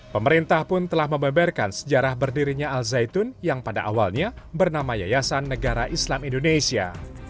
pemerintah pun telah membeberkan sejarah berdirinya al zaitun yang pada awalnya bernama yayasan negara islam indonesia